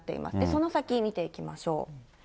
その先、見ていきましょう。